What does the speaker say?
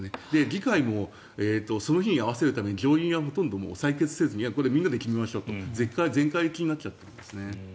議会もその日に合わせるために上院はほとんど採決せずみんなで決めましょうと全会一致になったんです。